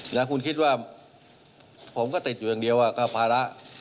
แล้วคุณคิดว่าผมก็ติดอยู่อย่างเดียวก็ภาระ